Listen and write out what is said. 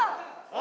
あ！